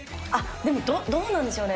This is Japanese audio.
でもどうなんでしょうね。